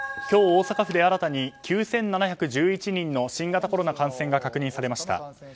今日大阪府で新たに９７１１人の新型コロナ感染が確認されました。